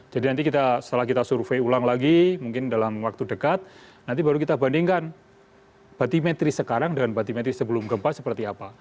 jadi nanti kita setelah kita survei ulang lagi mungkin dalam waktu dekat nanti baru kita bandingkan batimetri sekarang dengan batimetri sebelum gempa seperti apa